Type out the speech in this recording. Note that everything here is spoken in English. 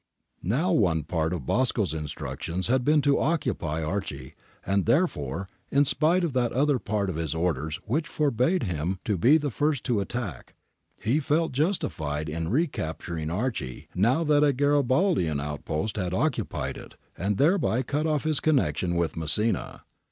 Now one part of Bosco's instructions had been to occupy Archi, and therefore, in spite of that other part of his orders which forbade him to be the first to attack, he felt justified in recapturing Archi now that a Garibaldian outpost had occupied it and thereby cut off his connection with Messina.